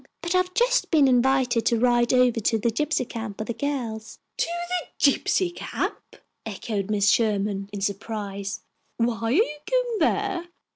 But I've just been invited to ride over to the gypsy camp with the girls." "To the gypsy camp!" echoed Mrs. Sherman, in surprise. "Why are you going there?"